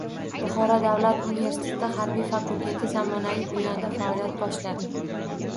Buxoro davlat universiteti harbiy fakulteti zamonaviy binoda faoliyat boshladi